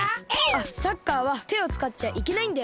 あっサッカーはてをつかっちゃいけないんだよ。